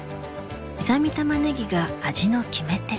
刻みたまねぎが味の決め手！